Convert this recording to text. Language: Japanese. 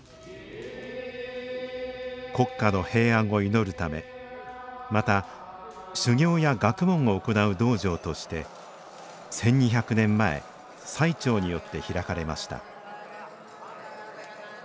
国家の平安を祈るためまた修行や学問を行う道場として１２００年前最澄によって開かれました